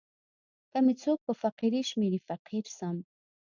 که می څوک په فقیری شمېري فقیر سم.